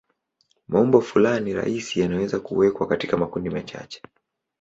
Maumbo fulani rahisi yanaweza kuwekwa katika makundi machache.